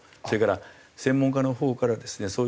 それから専門家のほうからですね